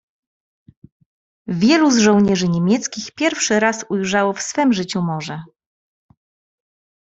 "Wielu z żołnierzy niemieckich pierwszy raz ujrzało w swem życiu morze."